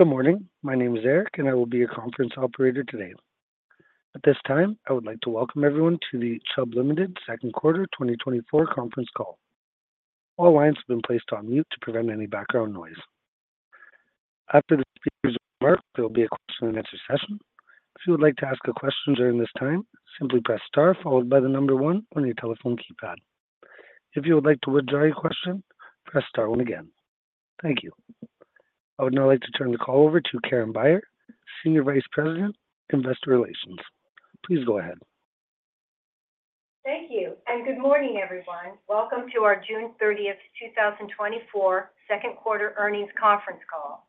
Good morning. My name is Eric, and I will be your conference operator today. At this time, I would like to welcome everyone to the Chubb Limited Second Quarter 2024 Conference Call. All lines have been placed on mute to prevent any background noise. After the speakers' remarks, there will be a question-and-answer session. If you would like to ask a question during this time, simply press star followed by the number one on your telephone keypad. If you would like to withdraw your question, press star one again. Thank you. I would now like to turn the call over to Karen Beyer, Senior Vice President, Investor Relations. Please go ahead. Thank you, and good morning, everyone. Welcome to our June 30th, 2024 Second Quarter Earnings Conference Call.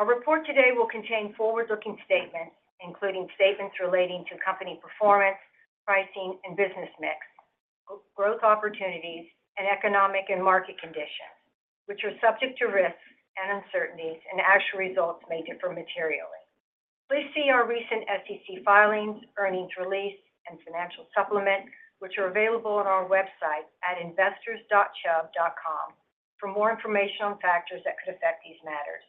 Our report today will contain forward-looking statements, including statements relating to company performance, pricing, and business mix, growth opportunities, and economic and market conditions, which are subject to risks and uncertainties, and actual results may differ materially. Please see our recent SEC filings, earnings release, and financial supplement, which are available on our website at investors.chubb.com for more information on factors that could affect these matters.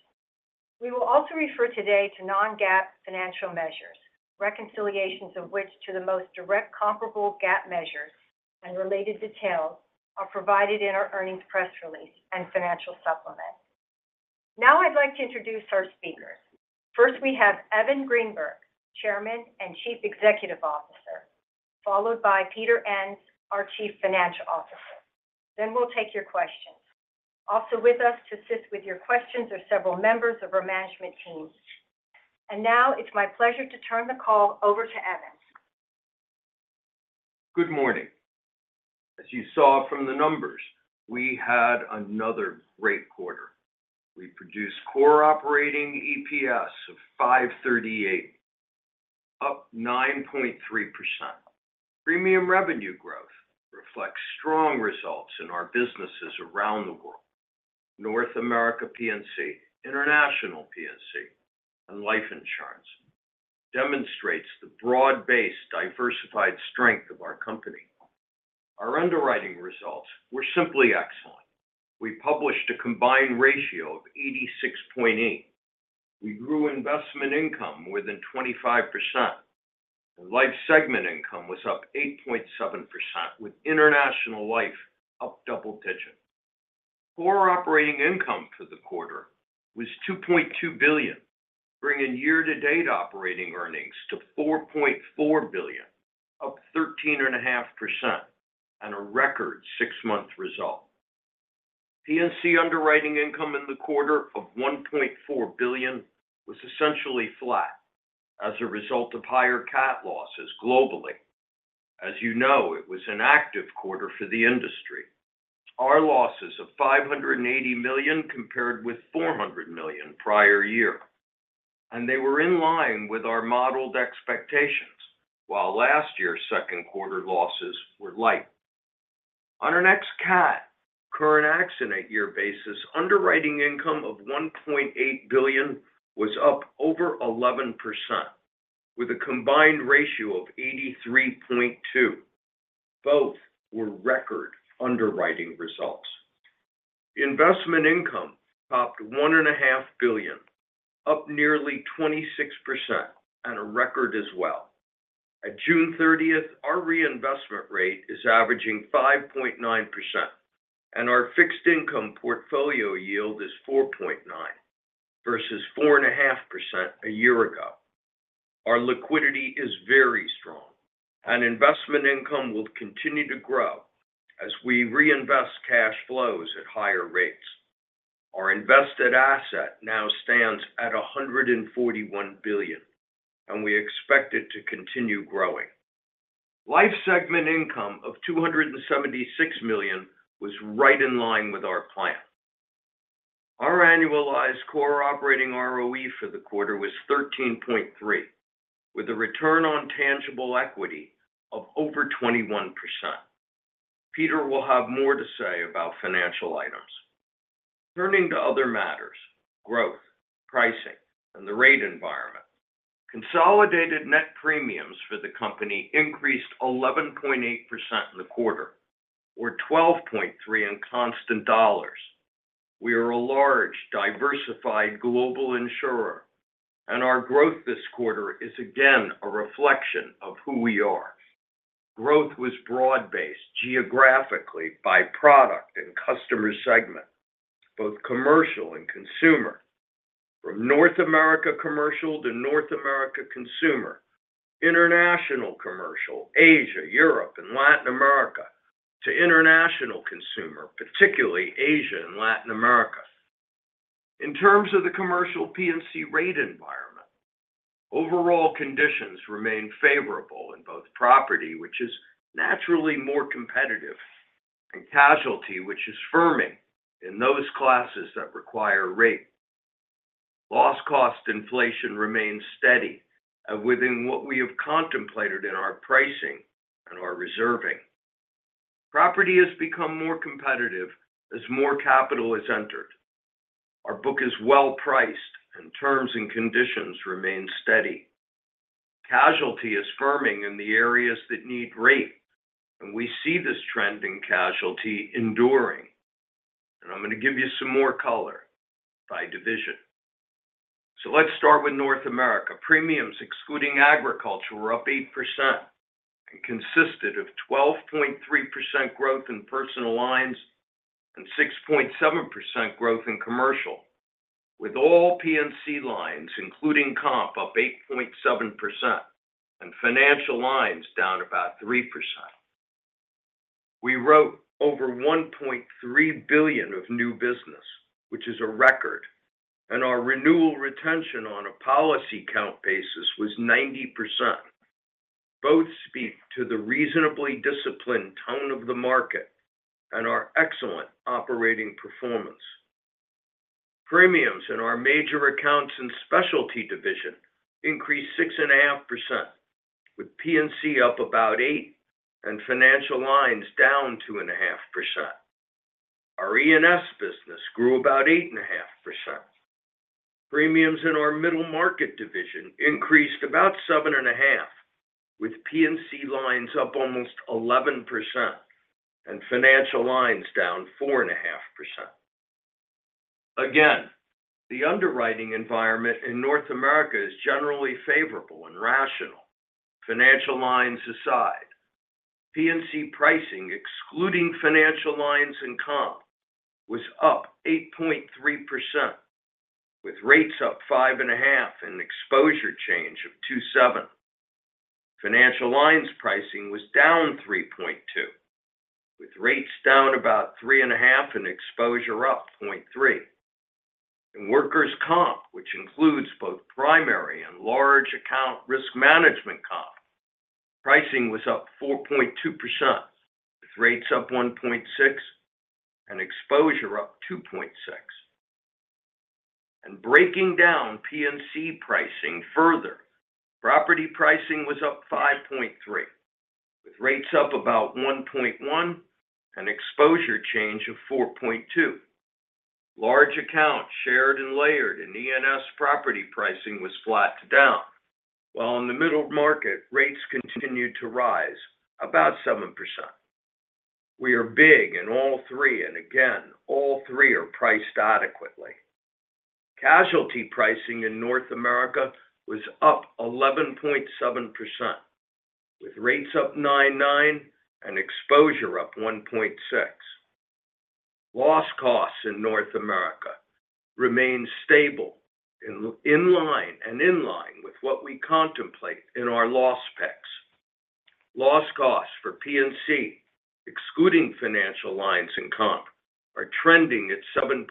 We will also refer today to non-GAAP financial measures, reconciliations of which to the most direct comparable GAAP measures and related details are provided in our earnings press release and financial supplement. Now I'd like to introduce our speakers. First, we have Evan Greenberg, Chairman and Chief Executive Officer, followed by Peter Enns, our Chief Financial Officer. Then we'll take your questions. Also with us to assist with your questions are several members of our management team. Now it's my pleasure to turn the call over to Evan. Good morning. As you saw from the numbers, we had another great quarter. We produced core operating EPS of $5.38, up 9.3%. Premium revenue growth reflects strong results in our businesses around the world. North America P&C, International P&C, and Life Insurance demonstrates the broad-based, diversified strength of our company. Our underwriting results were simply excellent. We published a combined ratio of 86.8. We grew investment income more than 25%, and Life segment income was up 8.7%, with International Life up double digits. Core operating income for the quarter was $2.2 billion, bringing year-to-date operating earnings to $4.4 billion, up 13.5% on a record six-month result. P&C underwriting income in the quarter of $1.4 billion was essentially flat as a result of higher cat losses globally. As you know, it was an active quarter for the industry. Our losses of $580 million compared with $400 million prior year, and they were in line with our modeled expectations, while last year's Q2 losses were light. On an ex-cat, current accident year basis, underwriting income of $1.8 billion was up over 11%, with a combined ratio of 83.2. Both were record underwriting results. Investment income topped $1.5 billion, up nearly 26% and a record as well. At June 30th, our reinvestment rate is averaging 5.9%, and our fixed income portfolio yield is 4.9% versus 4.5% a year ago. Our liquidity is very strong, and investment income will continue to grow as we reinvest cash flows at higher rates. Our invested asset now stands at $141 billion, and we expect it to continue growing. Life segment income of $276 million was right in line with our plan. Our annualized core operating ROE for the quarter was 13.3, with a return on tangible equity of over 21%. Peter will have more to say about financial items. Turning to other matters, growth, pricing, and the rate environment. Consolidated net premiums for the company increased 11.8% in the quarter or 12.3 in constant dollars. We are a large, diversified global insurer, and our growth this quarter is again a reflection of who we are. Growth was broad-based geographically by product and customer segment, both commercial and consumer. From North America Commercial to North America Consumer, International Commercial, Asia, Europe, and Latin America to International Consumer, particularly Asia and Latin America. In terms of the commercial P&C rate environment, overall conditions remain favorable in both property, which is naturally more competitive, and casualty, which is firming in those classes that require rate. Loss cost inflation remains steady and within what we have contemplated in our pricing and our reserving. Property has become more competitive as more capital has entered. Our book is well-priced and terms and conditions remain steady. Casualty is firming in the areas that need rate, and we see this trend in casualty enduring. I'm going to give you some more color by division. Let's start with North America. Premiums, excluding agriculture, were up 8% and consisted of 12.3% growth in personal lines and 6.7% growth in commercial, with all P&C lines, including comp, up 8.7% and financial lines down about 3%. We wrote over $1.3 billion of new business, which is a record, and our renewal retention on a policy count basis was 90%. Both speak to the reasonably disciplined tone of the market and our excellent operating performance. Premiums in our Major Accounts and Specialty Division increased 6.5%, with P&C up about 8% and financial lines down 2.5%. Our E&S business grew about 8.5%. Premiums in our Middle Market Division increased about 7.5, with P&C lines up almost 11% and Financial Lines down 4.5%. Again, the underwriting environment in North America is generally favorable and rational. Financial Lines aside, P&C pricing, excluding Financial Lines and comp, was up 8.3%, with rates up 5.5 and exposure change of 2.7. Financial Lines pricing was down 3.2, with rates down about 3.5 and exposure up 0.3. In workers' comp, which includes both primary and large account risk management comp, pricing was up 4.2%, with rates up 1.6 and exposure up 2.6. And breaking down P&C pricing further, property pricing was up 5.3, with rates up about 1.1 and exposure change of 4.2. Large account, shared and layered, and E&S property pricing was flat to down, while in the middle market, rates continued to rise about 7%. We are big in all three, and again, all three are priced adequately. Casualty pricing in North America was up 11.7%, with rates up 9.9 and exposure up 1.6. Loss costs in North America remain stable in line and in line with what we contemplate in our loss picks. Loss costs for P&C, excluding financial lines and comp, are trending at 7.3%,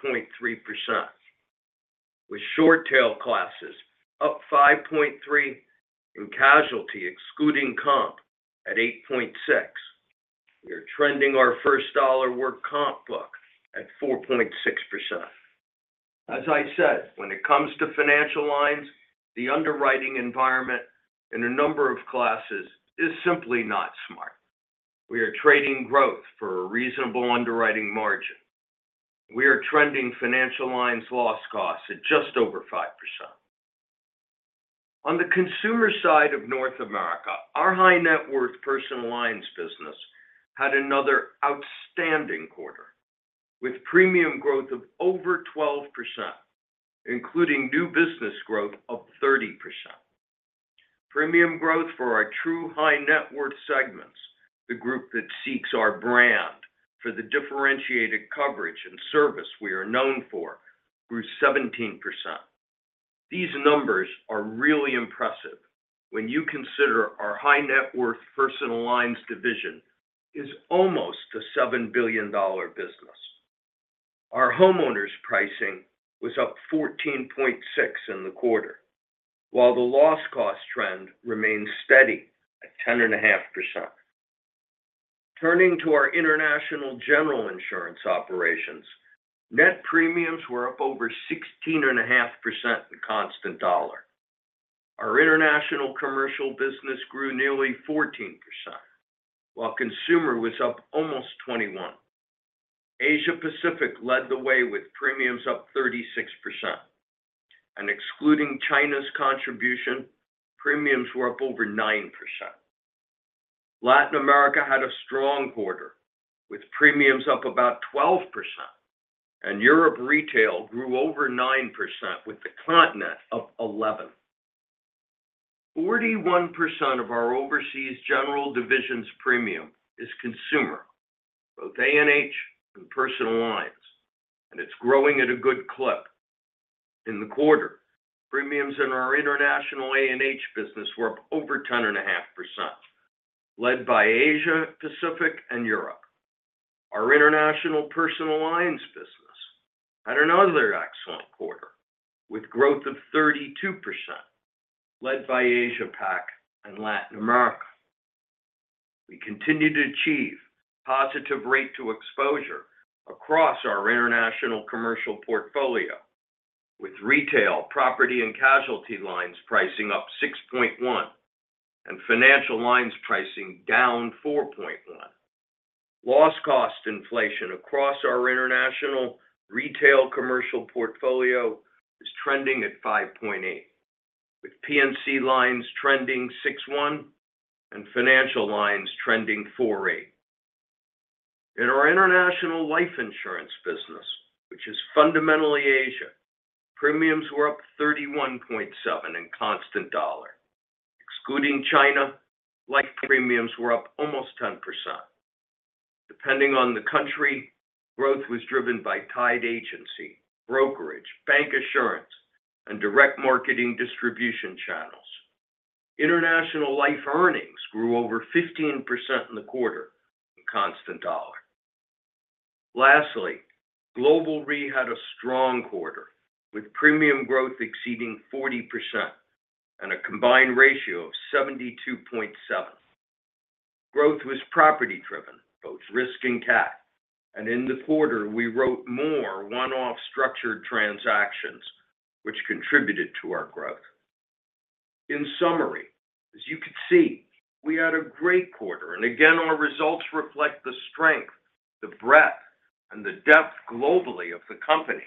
with short tail classes up 5.3 and casualty, excluding comp, at 8.6. We are trending our first dollar work comp book at 4.6%. As I said, when it comes to financial lines, the underwriting environment in a number of classes is simply not smart. We are trading growth for a reasonable underwriting margin. We are trending financial lines loss costs at just over 5%. On the consumer side of North America, our high net worth personal lines business had another outstanding quarter, with premium growth of over 12%, including new business growth of 30%. Premium growth for our true high net worth segments, the group that seeks our brand for the differentiated coverage and service we are known for, grew 17%. These numbers are really impressive when you consider our high net worth personal lines division is almost a $7 billion business. Our homeowners' pricing was up 14.6 in the quarter, while the loss cost trend remains steady at 10.5%. Turning to our international general insurance operations, net premiums were up over 16.5% in constant dollars. Our international commercial business grew nearly 14%, while consumer was up almost 21%. Asia Pacific led the way with premiums up 36%, and excluding China's contribution, premiums were up over 9%. Latin America had a strong quarter, with premiums up about 12%, and Europe retail grew over 9%, with the continent up 11%. 41% of our Overseas General Division's Premium is consumer, both A&H and personal lines, and it's growing at a good clip. In the quarter, premiums in our international A&H business were up over 10.5%, led by Asia Pacific, and Europe. Our international personal lines business had another excellent quarter, with growth of 32%, led by Asia Pac and Latin America. We continue to achieve positive rate to exposure across our international commercial portfolio, with retail, property, and casualty lines pricing up 6.1% and financial lines pricing down 4.1%. Loss cost inflation across our international retail commercial portfolio is trending at 5.8%, with P&C lines trending 6.1% and financial lines trending 4.8%. In our international life insurance business, which is fundamentally Asia, premiums were up 31.7% in constant dollars. Excluding China, life premiums were up almost 10%. Depending on the country, growth was driven by tied agency, brokerage, bancassurance, and direct marketing distribution channels. International life earnings grew over 15% in the quarter in constant dollars. Lastly, Global Re had a strong quarter, with premium growth exceeding 40% and a combined ratio of 72.7. Growth was property-driven, both risk and cat, and in the quarter, we wrote more one-off structured transactions, which contributed to our growth. In summary, as you can see, we had a great quarter, and again, our results reflect the strength, the breadth, and the depth globally of the company.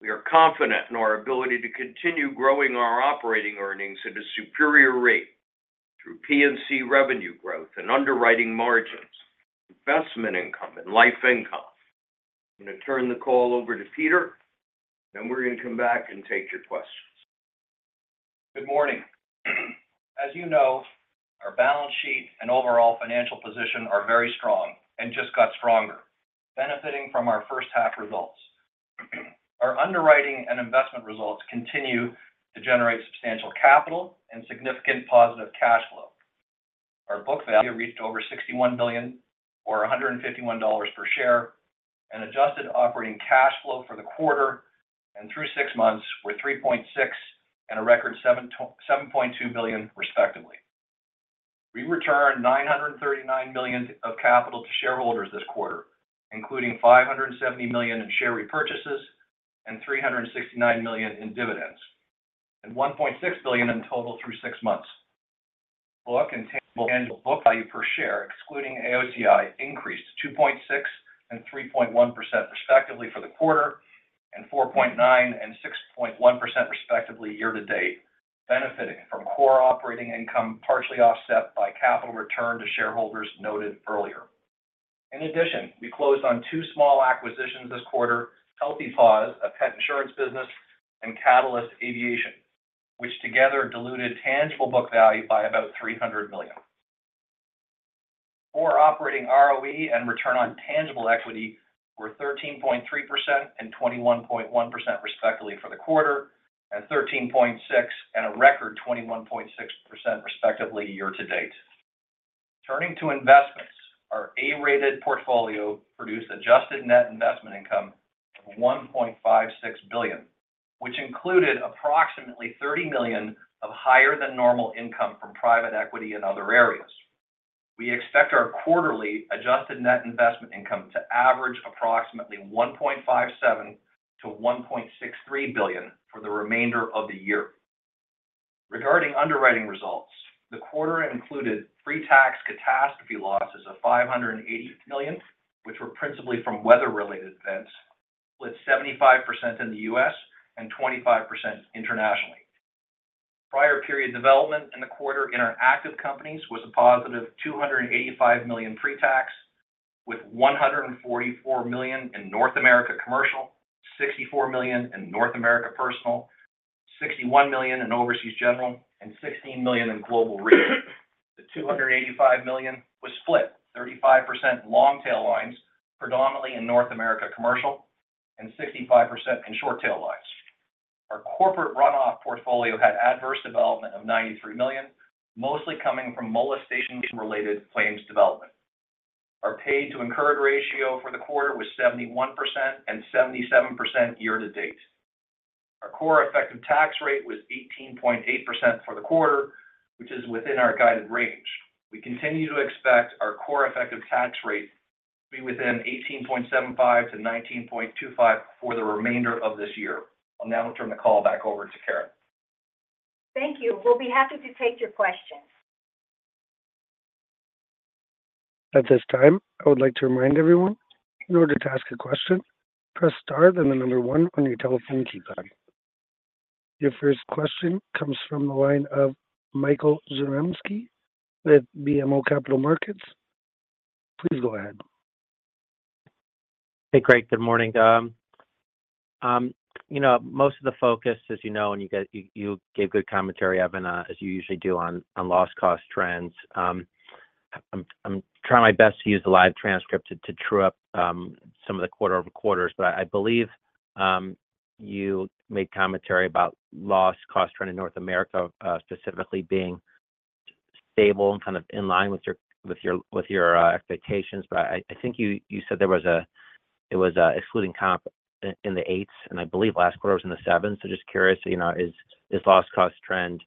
We are confident in our ability to continue growing our operating earnings at a superior rate through P&C revenue growth and underwriting margins, investment income, and life income. I'm going to turn the call over to Peter, then we're going to come back and take your questions. Good morning. As you know, our balance sheet and overall financial position are very strong and just got stronger, benefiting from our first half results. Our underwriting and investment results continue to generate substantial capital and significant positive cash flow. Our book value reached over $61 billion or $151 per share, and adjusted operating cash flow for the quarter and through six months were $3.6 billion and a record $7.2 billion, respectively. We returned $939 million of capital to shareholders this quarter, including $570 million in share repurchases and $369 million in dividends, and $1.6 billion in total through six months. Book and tangible book value per share, excluding AOCI, increased 2.6% and 3.1% respectively for the quarter and 4.9% and 6.1% respectively year to date, benefiting from core operating income, partially offset by capital return to shareholders noted earlier. In addition, we closed on 2 small acquisitions this quarter, Healthy Paws, a pet insurance business, and Catalyst Aviation, which together diluted tangible book value by about $300 million. Core operating ROE and return on tangible equity were 13.3% and 21.1%, respectively, for the quarter, and 13.6% and a record 21.6%, respectively, year to date. Turning to investments, our A-rated portfolio produced adjusted net investment income of $1.56 billion, which included approximately $30 million of higher than normal income from private equity in other areas. We expect our quarterly adjusted net investment income to average approximately $1.57 billion-$1.63 billion for the remainder of the year. Regarding underwriting results, the quarter included pre-tax catastrophe losses of $580 million, which were principally from weather-related events, with 75% in the U.S. and 25% internationally. Prior period development in the quarter in our active companies was a positive $285 million pre-tax, with $144 million in North America commercial, $64 million in North America personal, $61 million in overseas general, and $16 million in Global Re. The $285 million was split, 35% long tail lines, predominantly in North America commercial, and 65% in short tail lines. Our Corporate Runoff Portfolio had adverse development of $93 million, mostly coming from molestation-related claims development. Our paid to incurred ratio for the quarter was 71% and 77% year to date. Our core effective tax rate was 18.8% for the quarter, which is within our guided range. We continue to expect our core effective tax rate to be within 18.75%-19.25% for the remainder of this year. I'll now turn the call back over to Karen. Thank you. We'll be happy to take your questions. At this time, I would like to remind everyone, in order to ask a question, press star, then the number one on your telephone keypad. Your first question comes from the line of Michael Zaremski with BMO Capital Markets. Please go ahead. Hey, great. Good morning, you know, most of the focus, as you know, and you gave good commentary, Evan, as you usually do on loss cost trends. I'm trying my best to use the live transcript to true up some of the quarter-over-quarter, but I believe you made commentary about loss cost trend in North America, specifically being stable and kind of in line with your expectations. But I think you said there was a... It was excluding comp in the eights, and I believe last quarter was in the sevens. So just curious, you know, is loss cost trend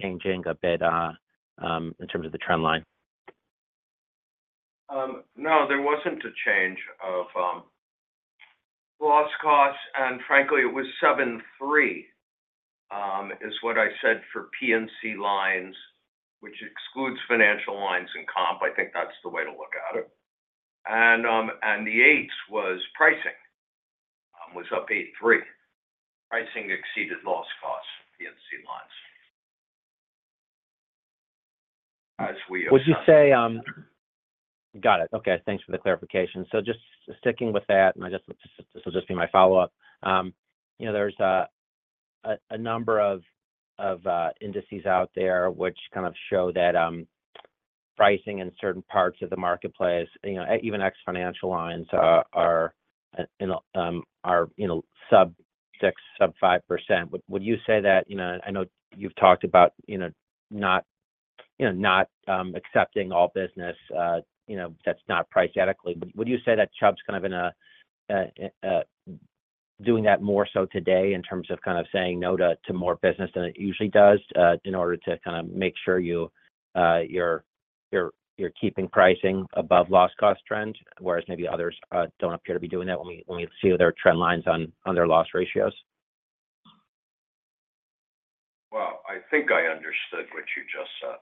changing a bit in terms of the trend line? No, there wasn't a change of loss costs, and frankly, it was 7.3 is what I said for P&C lines, which excludes financial lines and Comp. I think that's the way to look at it. And the 8s was pricing was up 8.3. Pricing exceeded loss costs, P&C lines. As we- Would you say. Got it. Okay, thanks for the clarification. So just sticking with that, and I just, this will just be my follow-up. You know, there's a number of indices out there which kind of show that pricing in certain parts of the marketplace, you know, even ex financial lines are, you know, sub-6%, sub-5%. Would you say that, you know... I know you've talked about, you know, not, you know, not accepting all business, you know, that's not priced adequately. But would you say that Chubb's kind of doing that more so today in terms of kind of saying no to more business than it usually does, in order to kind of make sure you're keeping pricing above loss cost trend, whereas maybe others don't appear to be doing that when we see their trend lines on their loss ratios? Well, I think I understood what you just said.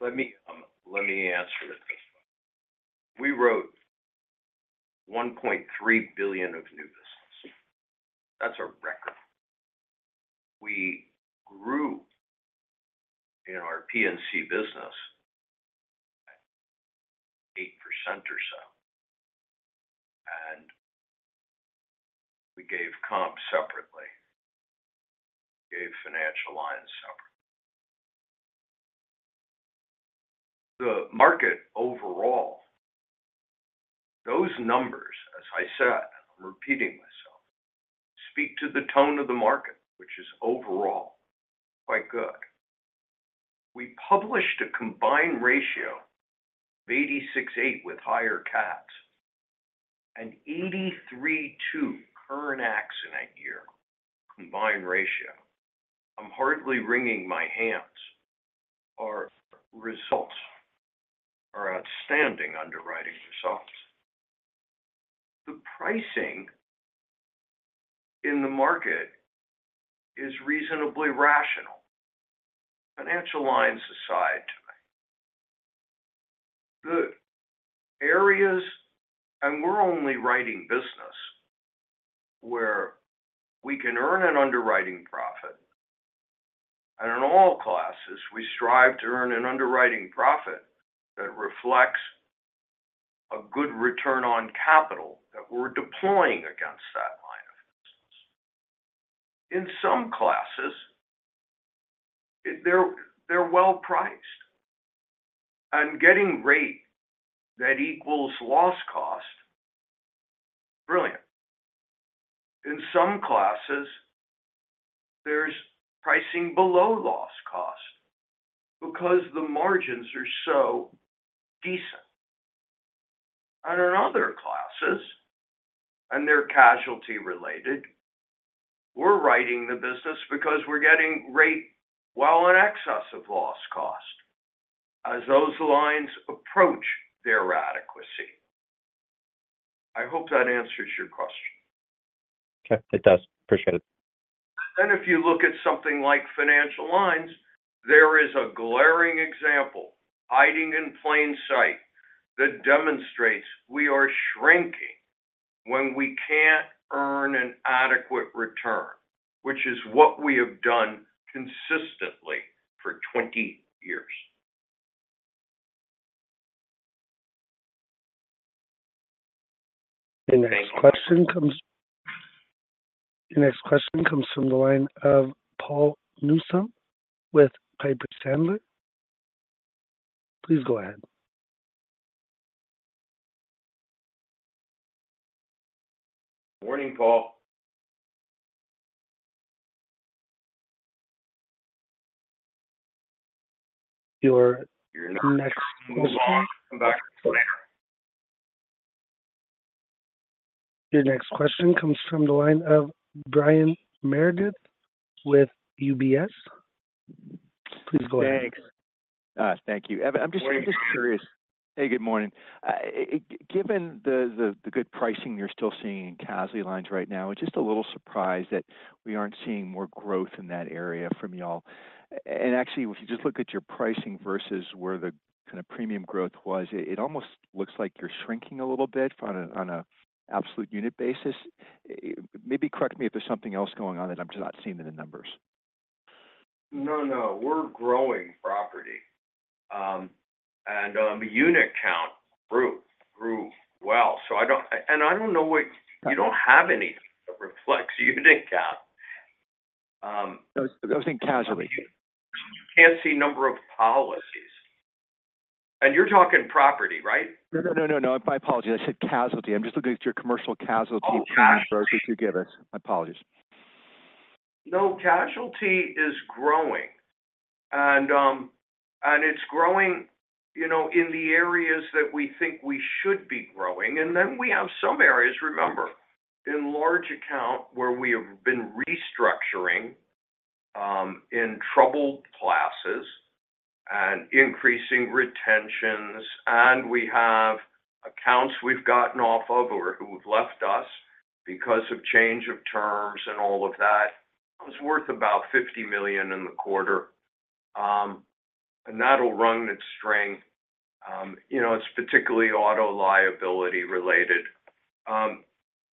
Let me answer it this way. We wrote $1.3 billion of new business. That's a record. We grew in our P&C business at 8% or so, and we gave Comp separately, gave financial lines separately. The market overall, those numbers, as I said, I'm repeating myself, speak to the tone of the market, which is overall quite good. We published a combined ratio of 86.8 with higher cats, and 83.2 current accident year combined ratio. I'm hardly wringing my hands. Our results are outstanding underwriting results. The pricing in the market is reasonably rational, financial lines aside. The areas, and we're only writing business where we can earn an underwriting profit, and in all classes, we strive to earn an underwriting profit that reflects a good return on capital that we're deploying against that line of business. In some classes, they're well-priced, and getting rate that equals loss cost, brilliant. In some classes, there's pricing below loss cost because the margins are so decent. In other classes, they're casualty related, we're writing the business because we're getting rate well in excess of loss cost as those lines approach their adequacy. I hope that answers your question. Okay, it does. Appreciate it. Then if you look at something like Financial Lines, there is a glaring example, hiding in plain sight, that demonstrates we are shrinking when we can't earn an adequate return, which is what we have done consistently for 20 years. The next question comes from the line of Paul Newsome with Piper Sandler. Please go ahead. Morning, Paul. Your next question- Come back later. Your next question comes from the line of Brian Meredith with UBS. Please go ahead. Thanks. Thank you. I'm just- Good morning. Hey, good morning. Given the good pricing you're still seeing in casualty lines right now, just a little surprised that we aren't seeing more growth in that area from y'all. And actually, if you just look at your pricing versus where the kind of premium growth was, it almost looks like you're shrinking a little bit on an absolute unit basis. Maybe correct me if there's something else going on that I'm just not seeing in the numbers. No, no, we're growing property. Unit count grew, grew well. So I don't. And I don't know what. You don't have anything that reflects unit count. I was thinking casualty. You can't see number of policies. You're talking property, right? No, no, no, no, no. My apologies. I said casualty. I'm just looking at your commercial casualty- Oh, casualty you gave us. My apologies. No, casualty is growing, and it's growing, you know, in the areas that we think we should be growing. And then we have some areas, remember, in large account where we have been restructuring in troubled classes and increasing retentions, and we have accounts we've gotten off of or who have left us because of change of terms and all of that. It was worth about $50 million in the quarter, and that'll run its string. You know, it's particularly auto liability related.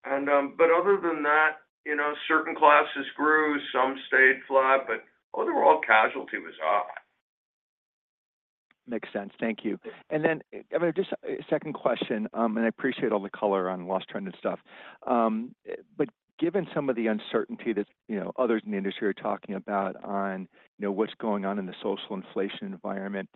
And, but other than that, you know, certain classes grew, some stayed flat, but overall, casualty was up. Makes sense. Thank you. And then, just a second question, and I appreciate all the color on loss trend and stuff. But given some of the uncertainty that, you know, others in the industry are talking about on, you know, what's going on in the social inflation environment,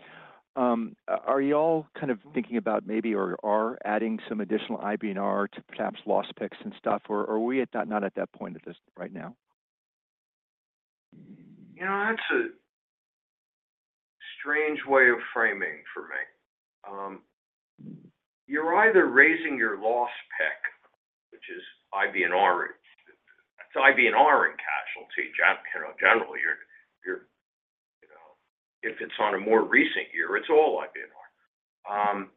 are you all kind of thinking about maybe or are adding some additional IBNR to perhaps loss picks and stuff, or are we at that, not at that point at this right now? You know, that's a strange way of framing for me. You're either raising your loss pick, which is IBNR. It's IBNR in casualty, generally, you know, if it's on a more recent year, it's all IBNR.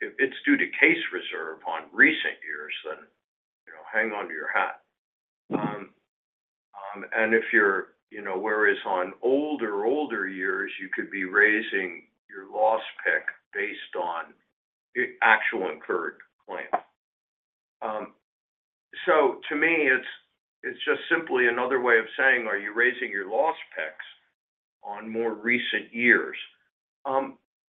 If it's due to case reserve on recent years, then, you know, hang on to your hat. And if you're, you know, whereas on older years, you could be raising your loss pick based on the actual incurred claim. So to me, it's just simply another way of saying, are you raising your loss picks on more recent years?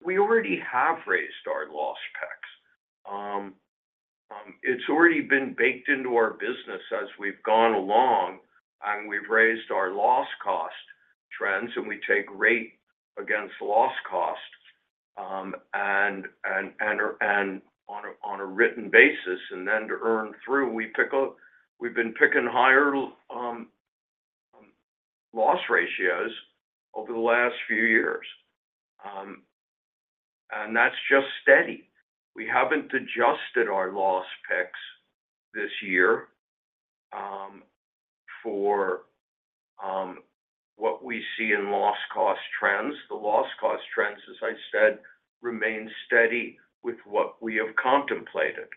We already have raised our loss picks. It's already been baked into our business as we've gone along, and we've raised our loss cost trends, and we take rate against loss costs, and on a written basis, and then to earn through, we pick up, we've been picking higher loss ratios over the last few years. That's just steady. We haven't adjusted our loss picks this year for what we see in loss cost trends. The loss cost trends, as I said, remain steady with what we have contemplated.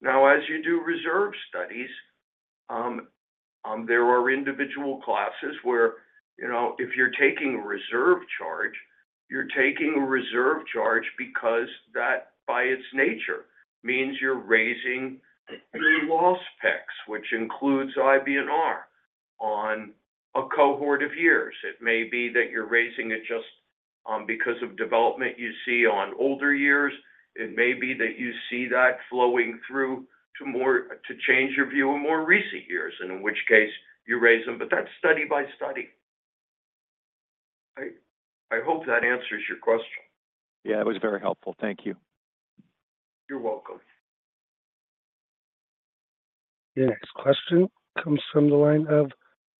Now, as you do reserve studies, there are individual classes where, you know, if you're taking a reserve charge, you're taking a reserve charge because that, by its nature, means you're raising your loss picks, which includes IBNR on a cohort of years. It may be that you're raising it just because of development you see on older years. It may be that you see that flowing through to more, to change your view on more recent years, and in which case, you raise them. But that's study by study. I hope that answers your question. Yeah, it was very helpful. Thank you. You're welcome. The next question comes from the line of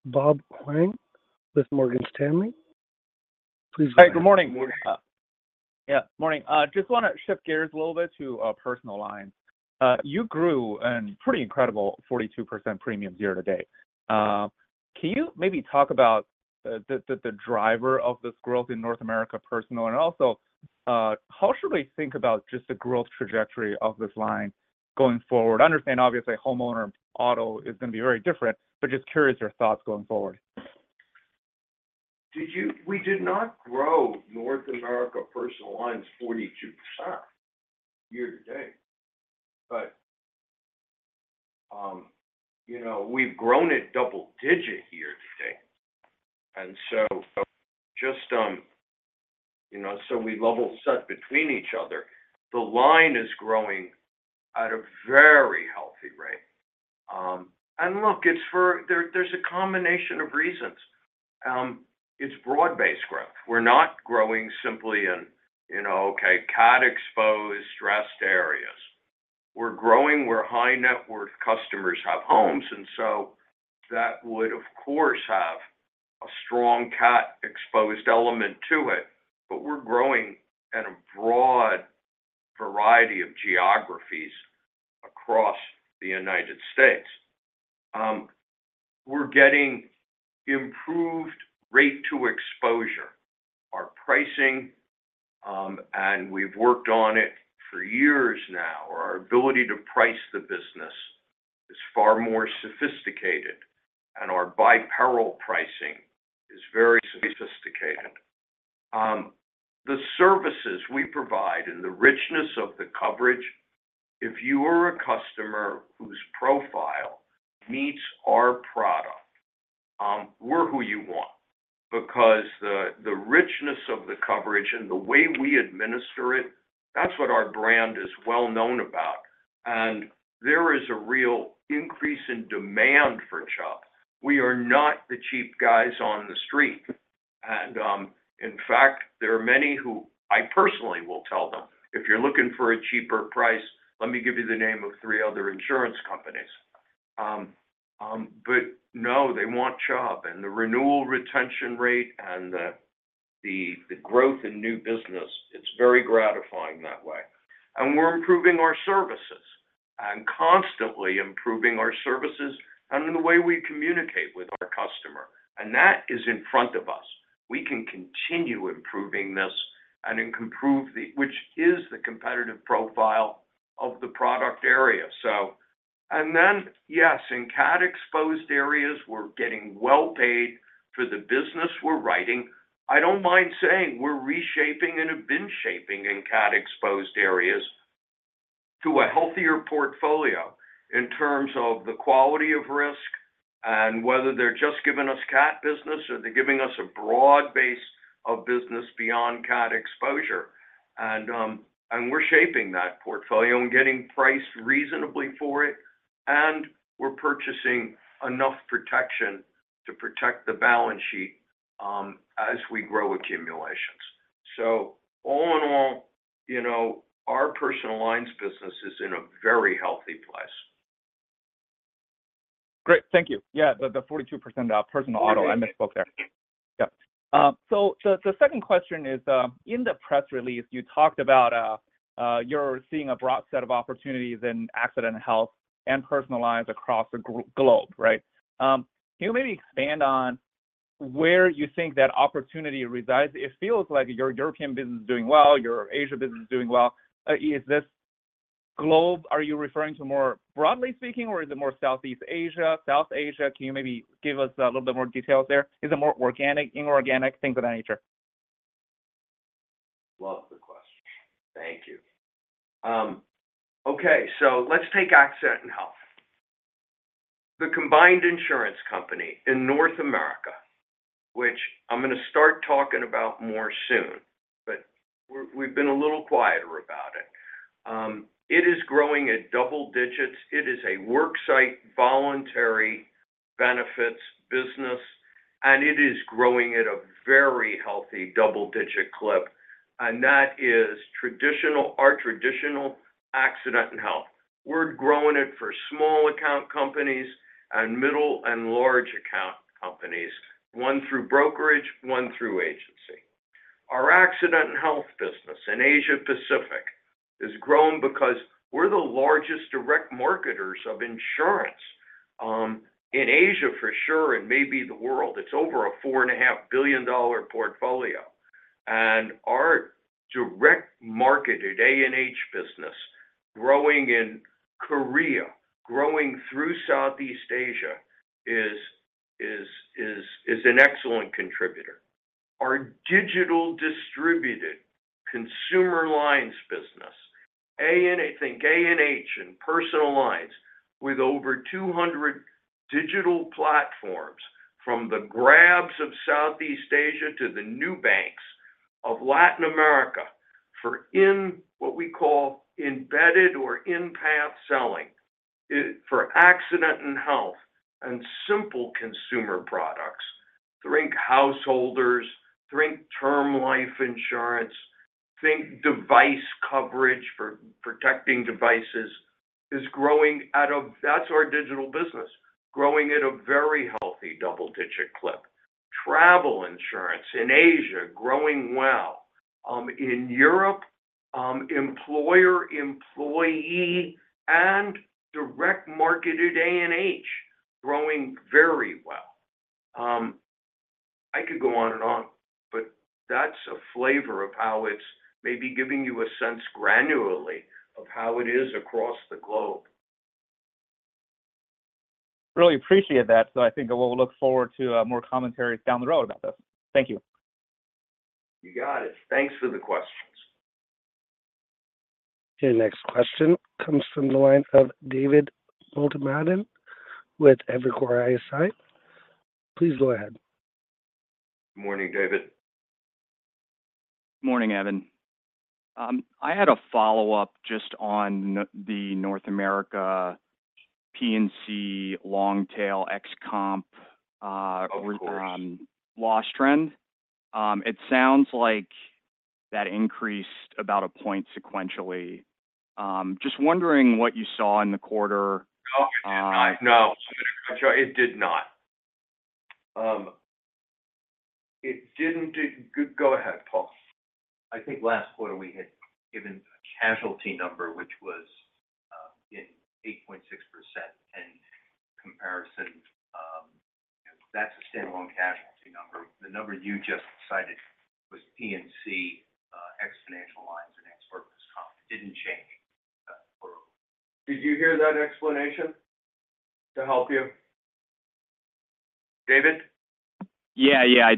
Bob Huang with Morgan Stanley. Please go ahead. Hi, good morning. Yeah, morning. Just want to shift gears a little bit to personal lines. You grew a pretty incredible 42% premiums year to date. Can you maybe talk about the driver of this growth in North America personal? And also, how should we think about just the growth trajectory of this line going forward? I understand, obviously, homeowner auto is going to be very different, but just curious your thoughts going forward. We did not grow North America personal lines 42% year to date, but, you know, we've grown it double digit year to date. And so just, you know, so we level set between each other. The line is growing at a very healthy rate. And look, it's for. There's a combination of reasons. It's broad-based growth. We're not growing simply in, you know, okay, cat-exposed, stressed areas. We're growing where high-net-worth customers have homes, and so that would, of course, have a strong cat-exposed element to it, but we're growing at a broad variety of geographies across the United States. We're getting improved rate to exposure. Our pricing, and we've worked on it for years now, our ability to price the business is far more sophisticated, and our by-peril pricing is very sophisticated. The services we provide and the richness of the coverage, if you are a customer whose profile meets our product, we're who you want because the richness of the coverage and the way we administer it, that's what our brand is well known about, and there is a real increase in demand for Chubb. We are not the cheap guys on the street, and in fact, there are many who I personally will tell them, "If you're looking for a cheaper price, let me give you the name of three other insurance companies." But no, they want Chubb, and the renewal retention rate and the growth in new business, it's very gratifying that way. We're improving our services, and constantly improving our services and in the way we communicate with our customer. That is in front of us. We can continue improving this, and it can improve which is the competitive profile of the product area. So, and then, yes, in cat exposed areas, we're getting well paid for the business we're writing. I don't mind saying we're reshaping and have been shaping in cat exposed areas to a healthier portfolio in terms of the quality of risk and whether they're just giving us cat business or they're giving us a broad base of business beyond cat exposure. And, and we're shaping that portfolio and getting priced reasonably for it, and we're purchasing enough protection to protect the balance sheet, as we grow accumulations. So all in all, you know, our personal lines business is in a very healthy place. Great. Thank you. Yeah, the 42% personal auto, I misspoke there. Yeah. So the second question is, in the press release, you talked about, you're seeing a broad set of opportunities in accident health and personal lines across the globe, right? Can you maybe expand on where you think that opportunity resides? It feels like your European business is doing well, your Asia business is doing well. Is this globe, are you referring to more broadly speaking, or is it more Southeast Asia, South Asia? Can you maybe give us a little bit more details there? Is it more organic, inorganic, things of that nature? Love the question. Thank you. Okay, so let's take accident and health. The Combined Insurance Company in North America, which I'm going to start talking about more soon, but we've been a little quieter about it. It is growing at double digits. It is a work site, voluntary benefits business, and it is growing at a very healthy double-digit clip, and that is traditional, our traditional accident and health. We're growing it for small account companies and middle and large account companies, one through brokerage, one through agency. Our accident and health business in Asia Pacific has grown because we're the largest direct marketers of insurance in Asia, for sure, and maybe the world. It's over a $4.5 billion portfolio. And our direct marketed A&H business, growing in Korea, growing through Southeast Asia, is an excellent contributor. Our digital distributed consumer lines business, A&H, think A&H in personal lines, with over 200 digital platforms, from the Grabs of Southeast Asia to the New Banks of Latin America, for what we call embedded or in-path selling, for accident and health and simple consumer products, think householders, think term life insurance, think device coverage for protecting devices, is growing at a... That's our digital business, growing at a very healthy double-digit clip. Travel insurance in Asia, growing well. In Europe, employer, employee, and direct marketed A&H, growing very well. I could go on and on, but that's a flavor of how it's maybe giving you a sense granularly of how it is across the globe. Really appreciate that. So I think we'll look forward to more commentary down the road about this. Thank you. You got it. Thanks for the questions. Okay, next question comes from the line of David Motemaden with Evercore ISI. Please go ahead. Morning, David. Morning, Evan. I had a follow-up just on the North America P&C, long tail, ex-comp, Of course. Loss trend. It sounds like that increased about point sequentially. Just wondering what you saw in the quarter. No, it did not. No, it did not. Go, go ahead, Paul. I think last quarter we had given a casualty number, which was in 8.6% in comparison. That's a standalone casualty number. The number you just cited was P&C ex financial lines and workers comp. It didn't change. Did you hear that explanation to help you, David? Yeah, yeah,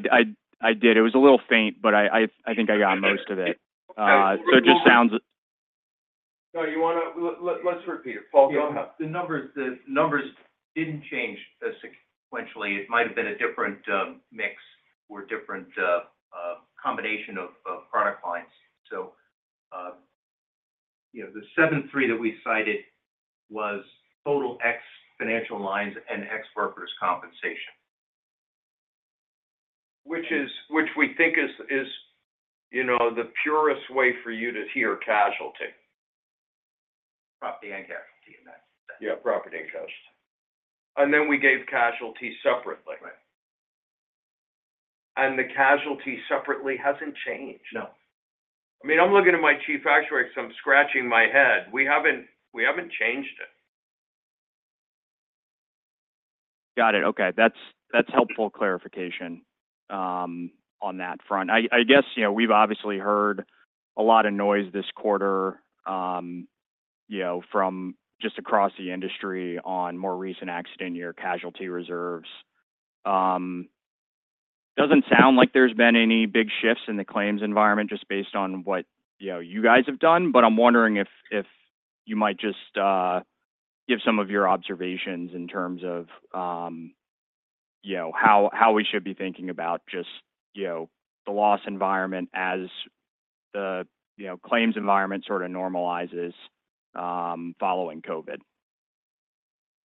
I did. It was a little faint, but I think I got most of it. So it just sounds- No, you wanna... Let's repeat it. Paul, go ahead. The numbers, the numbers didn't change sequentially. It might have been a different mix or different combination of product lines. So, you know, the 73 that we cited was total ex Financial Lines and ex Workers' Compensation. which we think is, you know, the purest way for you to hear casualty.... property and casualty in that sense. Yeah, property and casualty. And then we gave casualty separately. Right. The casualty separately hasn't changed. No. I mean, I'm looking at my Chief Actuary, so I'm scratching my head. We haven't, we haven't changed it. Got it. Okay, that's, that's helpful clarification on that front. I, I guess, you know, we've obviously heard a lot of noise this quarter, you know, from just across the industry on more recent accident year, casualty reserves. Doesn't sound like there's been any big shifts in the claims environment just based on what, you know, you guys have done. But I'm wondering if, if you might just give some of your observations in terms of, you know, how, how we should be thinking about just, you know, the loss environment as the, you know, claims environment sort of normalizes following COVID.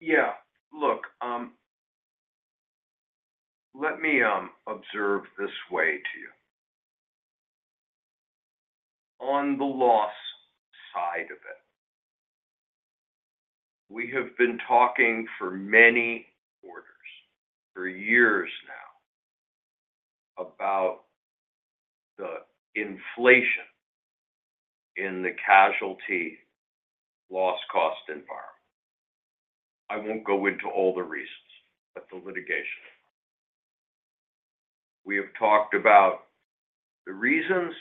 Yeah. Look, let me observe this way to you. On the loss side of it, we have been talking for many quarters, for years now, about the inflation in the casualty loss cost environment. I won't go into all the reasons, but the litigation. We have talked about the reasons,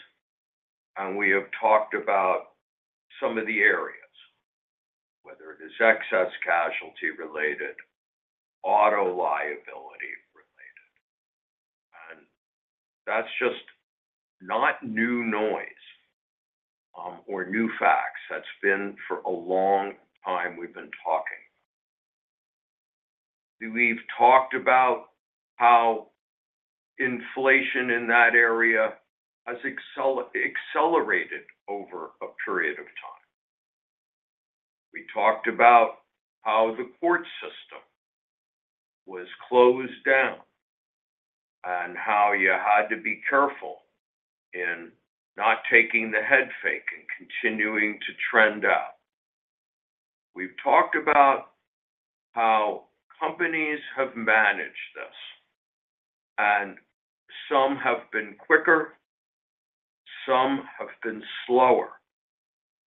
and we have talked about some of the areas, whether it is excess casualty related, auto liability related, and that's just not new noise, or new facts. That's been for a long time we've been talking. We've talked about how inflation in that area has accelerated over a period of time. We talked about how the court system was closed down, and how you had to be careful in not taking the head fake and continuing to trend out. We've talked about how companies have managed this, and some have been quicker, some have been slower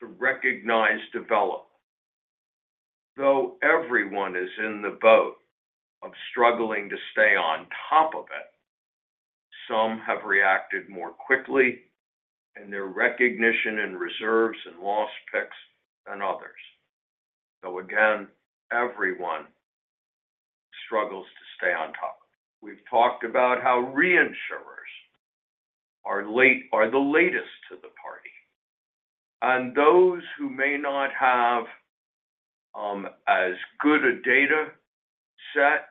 to recognize development. Though everyone is in the boat of struggling to stay on top of it, some have reacted more quickly in their recognition and reserves and loss picks than others. So again, everyone struggles to stay on top. We've talked about how reinsurers are late, are the latest to the party, and those who may not have, as good a data set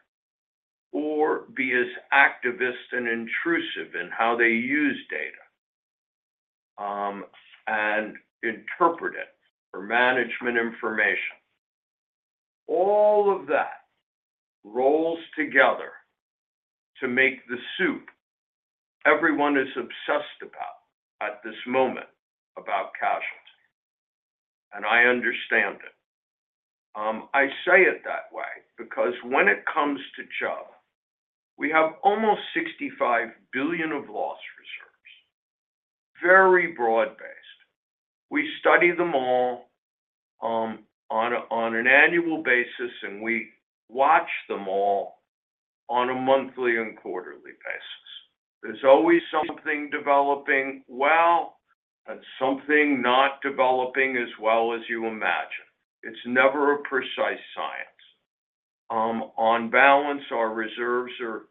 or be as activist and intrusive in how they use data, and interpret it for management information. All of that rolls together to make the soup everyone is obsessed about at this moment, about casualty, and I understand it. I say it that way because when it comes to Chubb, we have almost $65 billion of loss reserves, very broad-based. We study them all on an annual basis, and we watch them all on a monthly and quarterly basis. There's always something developing well and something not developing as well as you imagine. It's never a precise science. On balance, our reserves are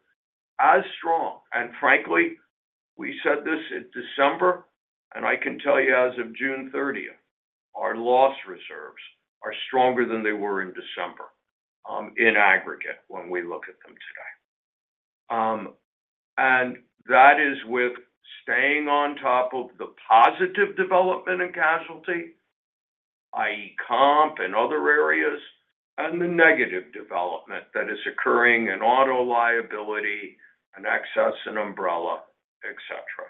as strong, and frankly, we said this in December, and I can tell you, as of June 13th, our loss reserves are stronger than they were in December, in aggregate, when we look at them today. And that is with staying on top of the positive development in casualty, i.e., comp and other areas, and the negative development that is occurring in auto liability and excess and umbrella, et cetera.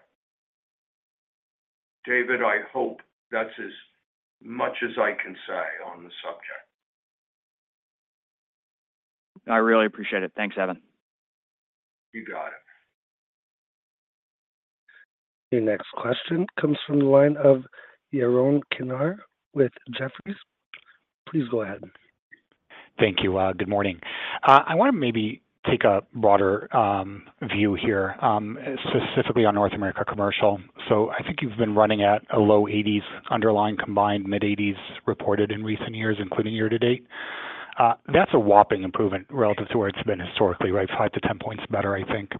David, I hope that's as much as I can say on the subject. I really appreciate it. Thanks, Evan. You got it. Your next question comes from the line of Yaron Kinar with Jefferies. Please go ahead. Thank you. Good morning. I want to maybe take a broader view here, specifically on North America commercial. So I think you've been running at a low 80s underlying combined mid-80s reported in recent years, including year to date. That's a whopping improvement relative to where it's been historically, right? 5-10 points better, I think.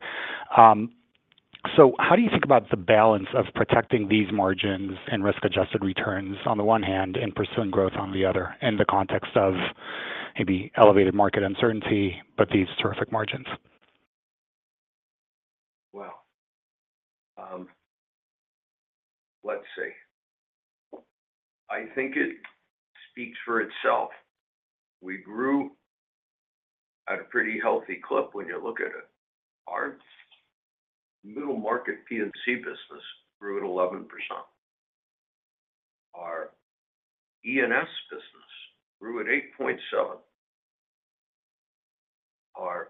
So how do you think about the balance of protecting these margins and risk-adjusted returns on the one hand, and pursuing growth on the other, in the context of maybe elevated market uncertainty, but these terrific margins? Well, let's see. I think it speaks for itself. We grew at a pretty healthy clip when you look at it. Our middle market P&C business grew at 11%. Our E&S business grew at 8.7%. Our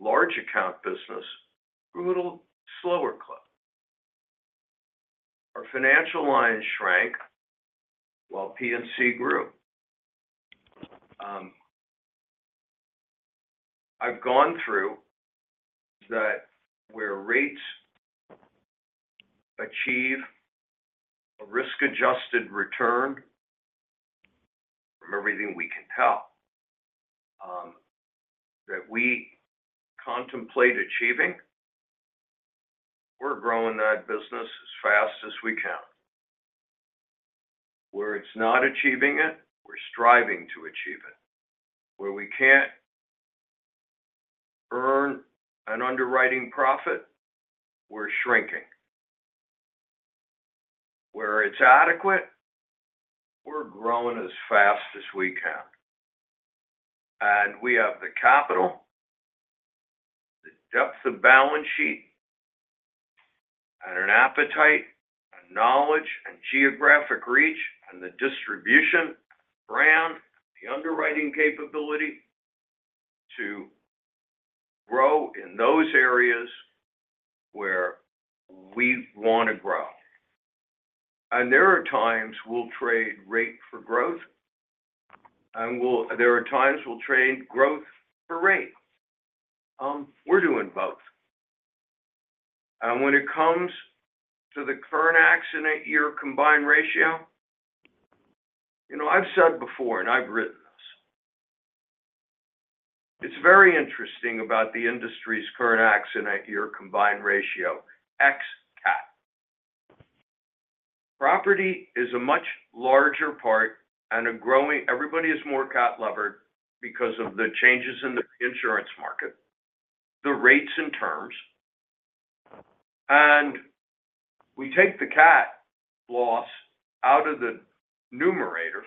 large account business grew at a little slower clip. Our Financial Lines shrank while P&C grew. I've gone through that where rates achieve a risk-adjusted return from everything we can tell, that we contemplate achieving, we're growing that business as fast as we can. Where it's not achieving it, we're striving to achieve it. Where we can't earn an underwriting profit, we're shrinking. Where it's adequate, we're growing as fast as we can, and we have the capital, the depth of balance sheet, and an appetite, and knowledge, and geographic reach, and the distribution brand, the underwriting capability to grow in those areas where we want to grow. There are times we'll trade rate for growth, and we'll—there are times we'll trade growth for rate. We're doing both. When it comes to the current accident year combined ratio, you know, I've said before, and I've written this, it's very interesting about the industry's current accident year combined ratio, ex-CAT. Property is a much larger part and a growing... everybody is more CAT-levered because of the changes in the insurance market, the rates and terms. We take the CAT loss out of the numerator,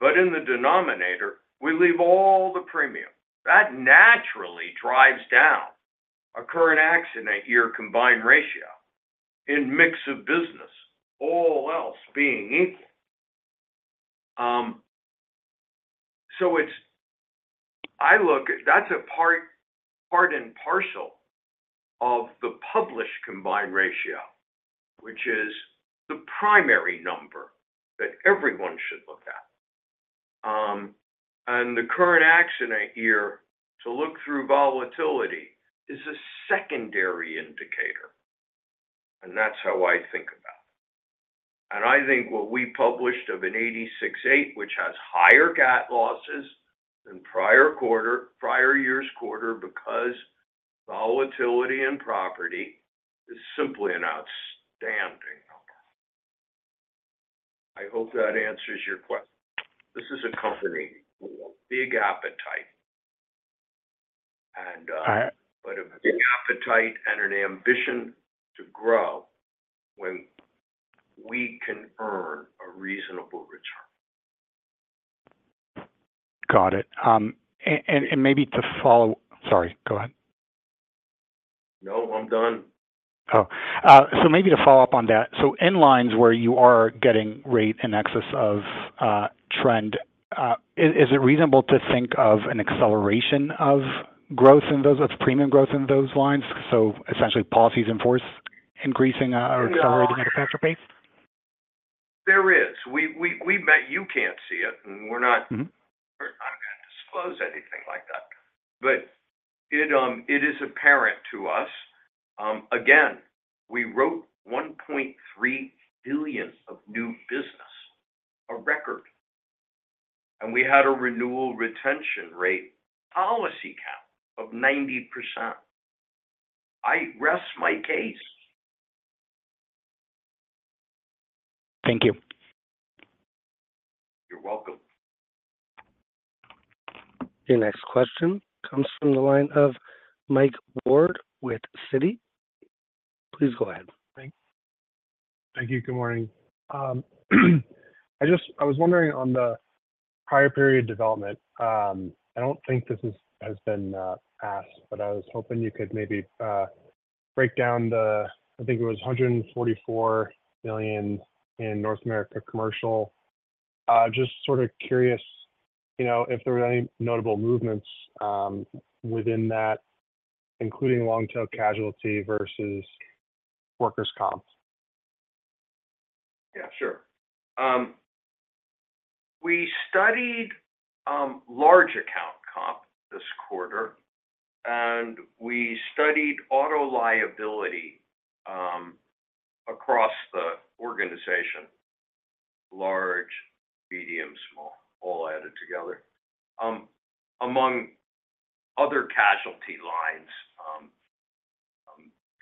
but in the denominator, we leave all the premium. That naturally drives down our current accident year combined ratio in mix of business, all else being equal. So it's—I look at, that's a part, part and parcel of the published combined ratio, which is the primary number that everyone should look at. And the current accident year, to look through volatility, is a secondary indicator, and that's how I think about it. And I think what we published, an 86.8, which has higher CAT losses than prior quarter, prior year's quarter, because volatility in property is simply an outstanding number. I hope that answers your question. This is a company with a big appetite and I- A big appetite and an ambition to grow when we can earn a reasonable return. Got it. And maybe to follow... Sorry, go ahead. No, I'm done. Oh, so maybe to follow up on that, so in lines where you are getting rate in excess of, trend, is, is it reasonable to think of an acceleration of growth in those, of premium growth in those lines? So essentially, policies in force increasing or accelerating at a faster pace? There is. We met-- You can't see it, and we're not- We're not going to disclose anything like that. But it is apparent to us. Again, we wrote $1.3 billion of new business, a record, and we had a renewal retention rate policy count of 90%. I rest my case. Thank you. You're welcome. Your next question comes from the line of Mike Ward with Citi. Please go ahead, Mike. Thank you. Good morning. I just... I was wondering on the prior period development. I don't think this is, has been, asked, but I was hoping you could maybe break down the, I think it was $144 million in North America commercial. Just sort of curious, you know, if there were any notable movements within that, including long-tail casualty versus workers' comp? Yeah, sure. We studied large account comp this quarter, and we studied auto liability across the organization, large, medium, small, all added together. Among other casualty lines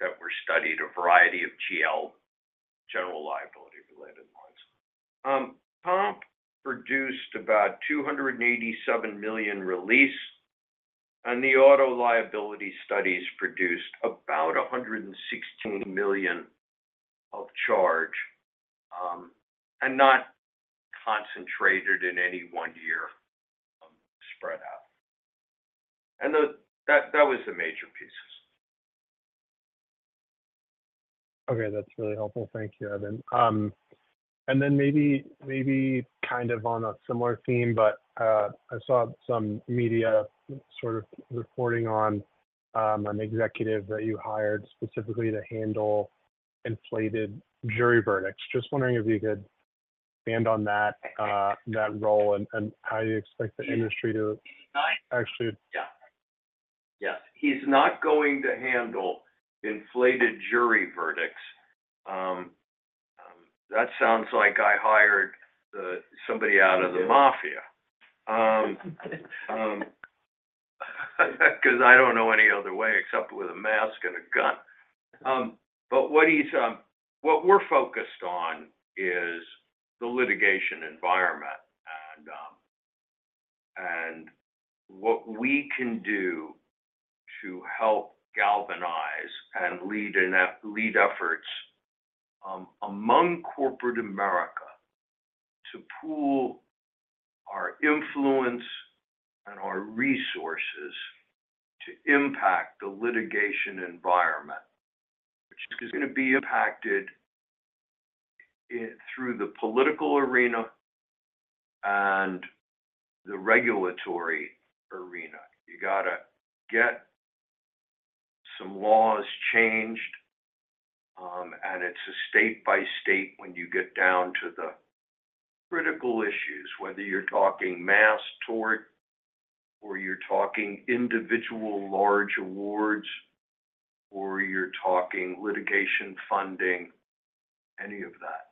that were studied, a variety of GL, general liability related lines. Comp produced about $287 million release, and the auto liability studies produced about $116 million of charge, and not concentrated in any one year, spread out. And that was the major pieces. Okay, that's really helpful. Thank you, Evan. And then maybe, maybe kind of on a similar theme, but, I saw some media sort of reporting on, an executive that you hired specifically to handle inflated jury verdicts. Just wondering if you could expand on that, that role and, and how you expect the industry to actually- Yeah. Yes. He's not going to handle inflated jury verdicts. That sounds like I hired somebody out of the mafia. 'Cause I don't know any other way except with a mask and a gun. But what we're focused on is the litigation environment and what we can do to help galvanize and lead efforts among corporate America to pool our influence and our resources to impact the litigation environment, which is gonna be impacted through the political arena and the regulatory arena. You got to get some laws changed, and it's a state by state when you get down to the critical issues, whether you're talking mass tort or you're talking individual large awards, or you're talking litigation funding, any of that.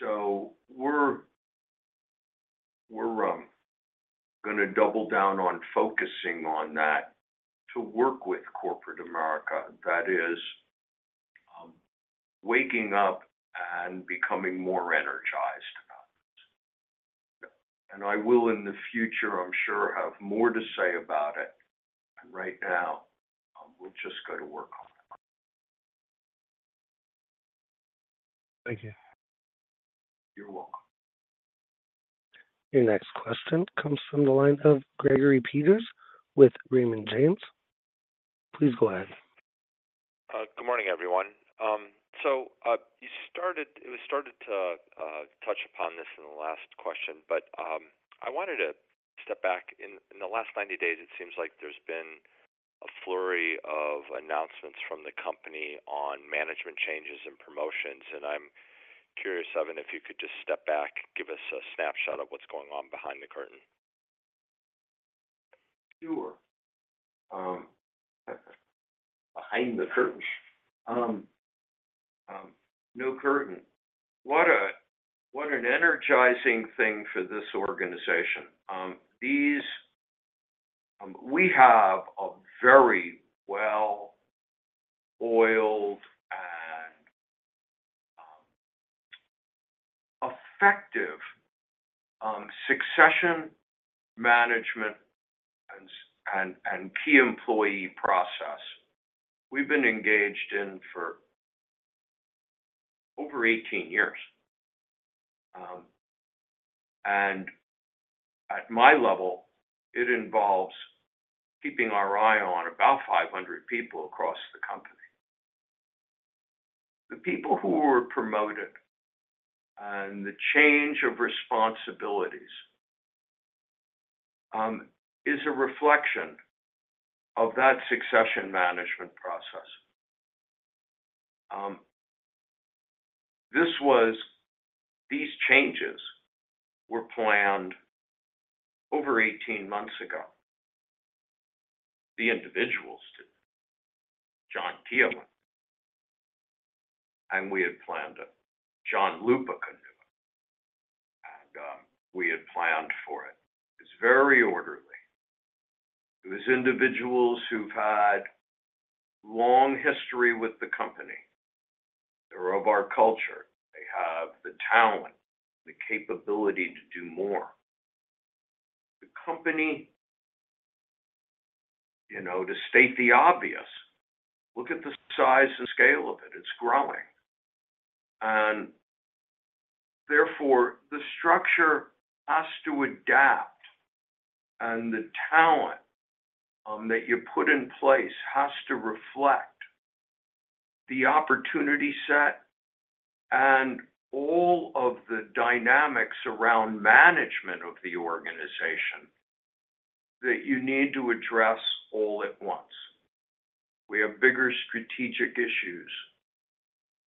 So we're gonna double down on focusing on that to work with corporate America. That is waking up and becoming more energized about this. And I will, in the future, I'm sure, have more to say about it, and right now, we've just got to work on it. Thank you. You're welcome. Your next question comes from the line of Gregory Peters with Raymond James. Please go ahead. Good morning, everyone. You started to touch upon this in the last question, but I wanted to step back. In the last 90 days, it seems like there's been a flurry of announcements from the company on management changes and promotions, and I'm curious, Evan, if you could just step back, give us a snapshot of what's going on behind the curtain. Sure. Behind the curtain. No curtain. What an energizing thing for this organization. We have a very well-oiled and effective succession management and key employee process we've been engaged in for over 18 years. And at my level, it involves keeping our eye on about 500 people across the company. The people who were promoted and the change of responsibilities is a reflection of that succession management process. These changes were planned over 18 months ago. The individuals, John Lupica, and we had planned it. John Lupica could do it, and we had planned for it. It's very orderly. It was individuals who've had long history with the company. They're of our culture. They have the talent, the capability to do more. The company, you know, to state the obvious, look at the size and scale of it. It's growing, and therefore, the structure has to adapt, and the talent that you put in place has to reflect the opportunity set and all of the dynamics around management of the organization that you need to address all at once. We have bigger strategic issues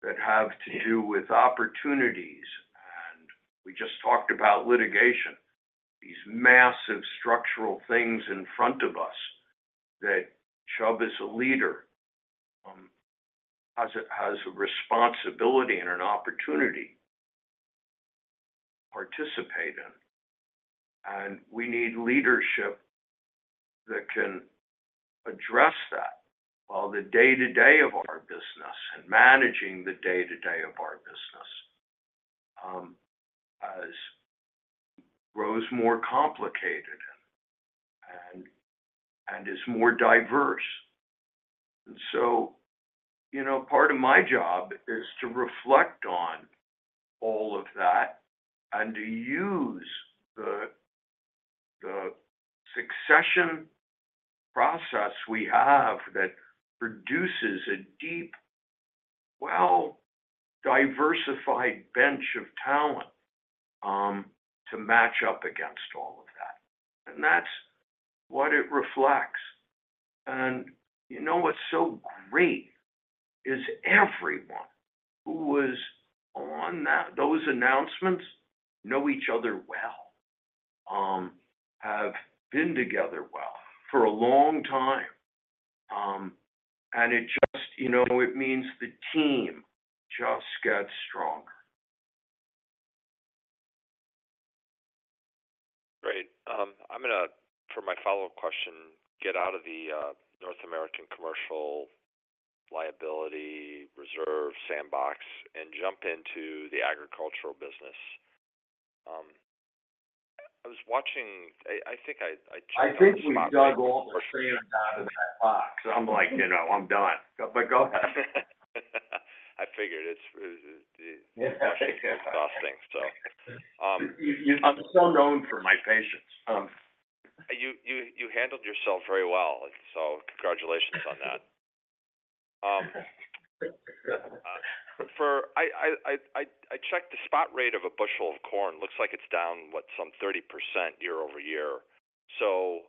that have to do with opportunities, and we just talked about litigation, these massive structural things in front of us that Chubb, as a leader, has a responsibility and an opportunity to participate in. And we need leadership that can address that while the day-to-day of our business and managing the day-to-day of our business is more complicated and is more diverse. So, you know, part of my job is to reflect on all of that and to use the succession process we have that produces a deep, well-diversified bench of talent, to match up against all of that. That's what it reflects. You know what's so great? Is everyone who was on that, those announcements know each other well, have been together well for a long time. It just, you know, it means the team just gets stronger. Great. I'm gonna, for my follow-up question, get out of the North American commercial liability reserve sandbox and jump into the agricultural business. I was watching... I think I I think we dug all the sand out of that box. I'm like, you know, I'm done, but go ahead. I figured it's Yeah. Exhausting, so, You, I'm so known for my patience. You handled yourself very well, so congratulations on that. I checked the spot rate of a bushel of corn. Looks like it's down, what? Some 30% year-over-year. So,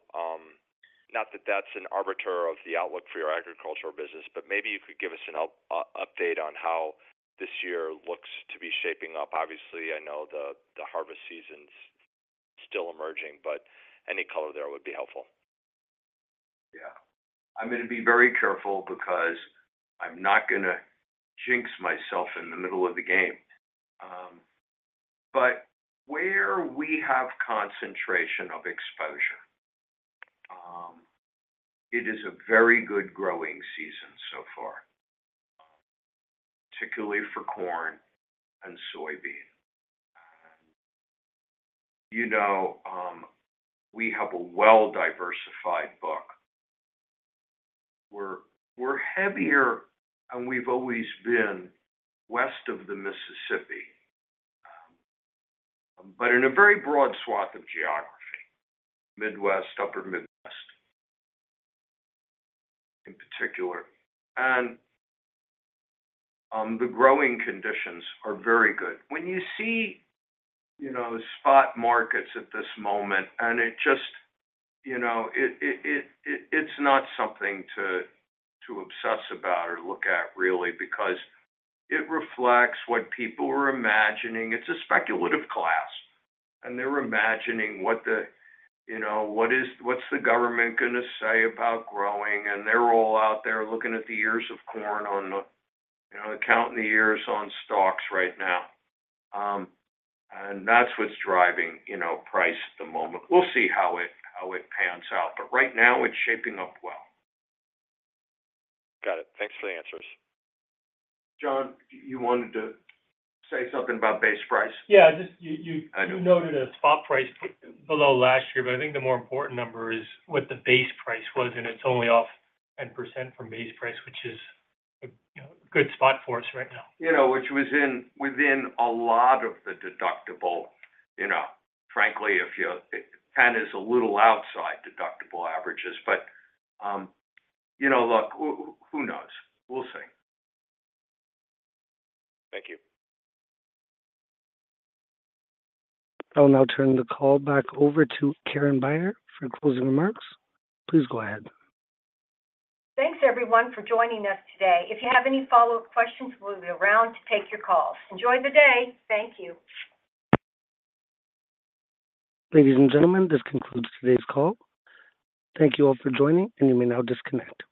not that that's an arbiter of the outlook for your agricultural business, but maybe you could give us an update on how this year looks to be shaping up. Obviously, I know the harvest season's still emerging, but any color there would be helpful. Yeah. I'm gonna be very careful because I'm not gonna jinx myself in the middle of the game. But where we have concentration of exposure, it is a very good growing season so far, particularly for corn and soybean. You know, we have a well-diversified book. We're heavier, and we've always been west of the Mississippi, but in a very broad swath of geography, Midwest, upper Midwest, in particular, and the growing conditions are very good. When you see, you know, spot markets at this moment, and it just, you know, it's not something to obsess about or look at, really, because it reflects what people were imagining. It's a speculative class, and they're imagining what the, you know, what is, what's the government gonna say about growing, and they're all out there looking at the ears of corn on the, you know, counting the ears on stalks right now. And that's what's driving, you know, price at the moment. We'll see how it, how it pans out, but right now, it's shaping up well. Got it. Thanks for the answers. John, you wanted to say something about base price? Yeah, just you. I do. You noted a spot price below last year, but I think the more important number is what the base price was, and it's only off 10% from base price, which is a, you know, good spot for us right now. You know, which was in, within a lot of the deductible. You know, frankly, if you... 10 is a little outside deductible averages, but, you know, look, who, who knows? We'll see. Thank you. I'll now turn the call back over to Karen Beyer for closing remarks. Please go ahead. Thanks, everyone, for joining us today. If you have any follow-up questions, we'll be around to take your calls. Enjoy the day. Thank you. Ladies and gentlemen, this concludes today's call. Thank you all for joining, and you may now disconnect.